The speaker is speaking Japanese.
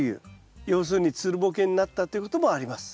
要するにつるボケになったということもあります。